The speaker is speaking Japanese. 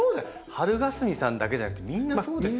はるがすみさんだけじゃなくてみんなそうですよね。